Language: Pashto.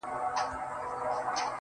ما ته اُمید د ګلستان د غوړېدو راکوه